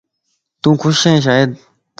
تون خوش ائين شايد